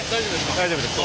大丈夫ですか？